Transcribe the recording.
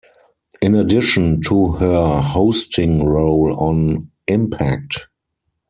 In addition to her hosting role on Impact!